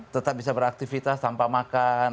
tetap bisa beraktivitas tanpa makan